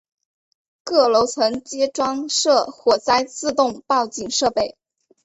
各层楼皆装设火灾自动警报设备。